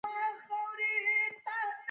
طیاره د سوداګرۍ لپاره د بار وړلو اصلي وسیله ده.